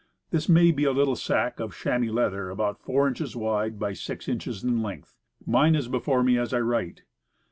This may be a little sack of chamois leather about 4 inches wide by 6 inches in length. Mine is before me as I write.